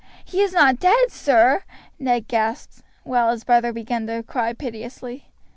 "He is not dead, sir?" Ned gasped, while his brother began to cry piteously.